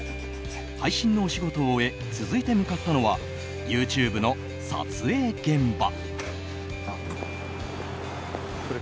配信のお仕事を終え続いて向かったのはＹｏｕＴｕｂｅの撮影現場。